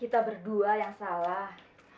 kita berdua yang salah